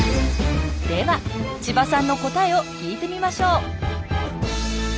では千葉さんの答えを聞いてみましょう。